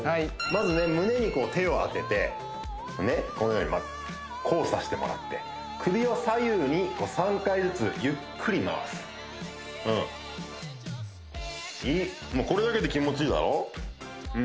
まずね胸にこう手を当ててこのように交差してもらって首を左右に３回ずつゆっくり回すもうこれだけで気持ちいいだろう？